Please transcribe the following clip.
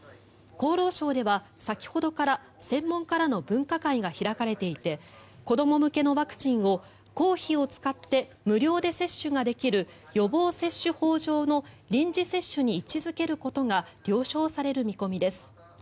厚労省では先ほどから専門家らの分科会が開かれていて子ども向けのワクチンを公費を使って無料で接種ができる予防接種法上の臨時接種に位置付けることが了承される見込みです。